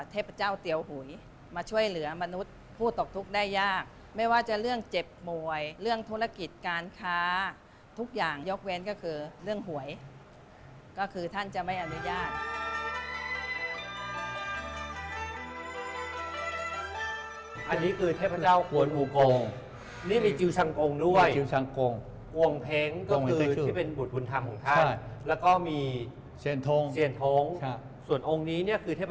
เทพเจ้าเตี๋ยวห่วยมาช่วยเหลือมนุษย์ผู้ตกทุกข์ได้ยากไม่ว่าจะเรื่องเจ็บมวยเรื่องธุรกิจการค้าทุกอย่างยกแว้นก็คือเรื่องห่วยก็คือท่านจะไม่อนุญาตอันนี้คือเทพเจ้ากวนอูโกงนี่มีจิลชังโกงด้วยจิลชังโกงวงเพ้งก็คือที่เป็นบุตรบุญธรรมของท่านแล้วก็มีเซียนท้งส่วนองค์นี้คือเทพ